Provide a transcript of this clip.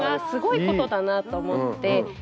すごいことだなと思って。